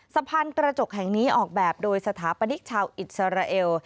สะพานกระจกแห่งนี้ออกแบบโดยสถาปนิกชาวอิสราเอล